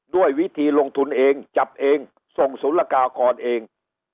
ด้วยวิธีลงทุนเองจับเองทหกษุนรกาลกอดเอง